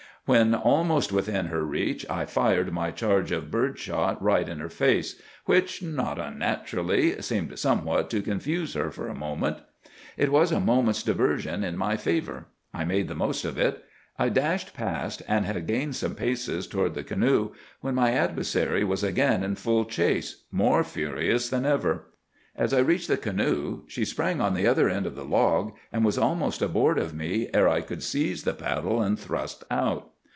When almost within her reach I fired my charge of bird shot right in her face, which, not unnaturally, seemed somewhat to confuse her for a moment. It was a moment's diversion in my favor. I made the most of it. I dashed past, and had gained some paces toward the canoe, when my adversary was again in full chase, more furious than ever. As I reached the canoe she sprang upon the other end of the log, and was almost aboard of me ere I could seize the paddle and thrust out.